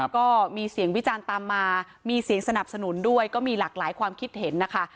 ก็มีเสียงวิจารณ์ตามมามีเสียงสนับสนุนด้วยก็มีหลากหลายความคิดเห็นนะคะ